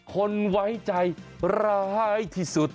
คนไว้ใจร้ายที่สุด